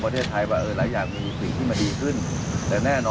เพราะฉะนั้นไอ้เรื่องอะไรก็ตามนึงทำการทุกเรื่องแหละ